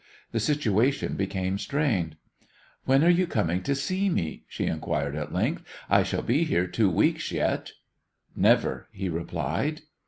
The situation became strained. "When are you coming to see me?" she inquired at length. "I shall be here two weeks yet." "Never," he replied.